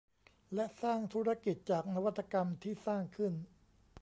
และสร้างธุรกิจจากนวัตกรรมที่สร้างขึ้น